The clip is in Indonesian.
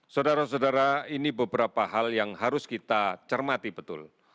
saudara saudara ini beberapa hal yang harus kita cermati betul